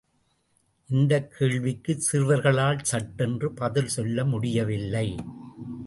இந்தக் கேள்விக்குச் சிறுவர்களால் சட்டென்று பதில் சொல்ல முடியவில்லை.